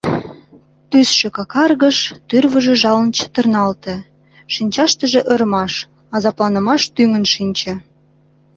Тӱсшӧ какаргыш, тӱрвыжӧ жалын чытырналте, шинчаштыже ӧрмаш, азапланымаш тӱҥын шинче.